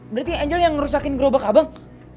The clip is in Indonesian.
berarti angel yang ngerusakin gerobak abang